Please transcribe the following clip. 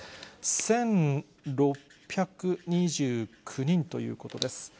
１６２９人ということです。